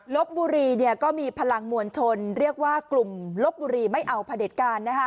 ลบบุรีก็มีพลังมวลชนเรียกว่ากลุ่มลบบุรีไม่เอาผลิตการ